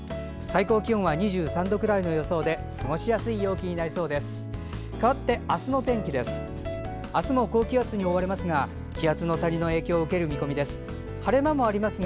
最高気温は２３度くらいの予想で過ごしやすい陽気になりそうです。